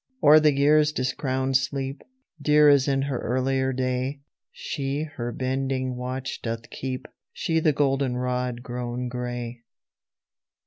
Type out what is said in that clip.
O'er the Year's discrownèd sleep, Dear as in her earlier day, She her bending watch doth keep, She the Goldenrod grown gray.